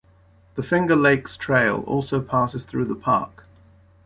The Finger Lakes Trail also passes through the park.